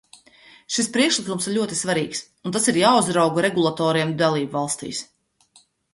Šis priekšlikums ir ļoti svarīgs, un tas ir jāuzrauga regulatoriem dalībvalstīs.